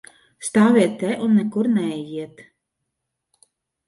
Stāviet te un nekur neejiet!